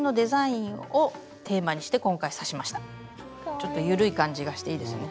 ちょっと緩い感じがしていいですね。